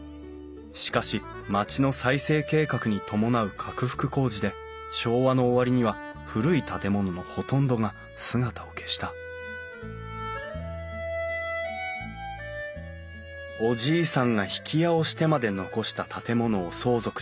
しかし町の再生計画に伴う拡幅工事で昭和の終わりには古い建物のほとんどが姿を消したおじいさんが曳家をしてまで残した建物を相続した後藤さん。